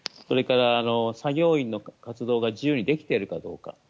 それから、作業員の活動が自由にできているかどうか。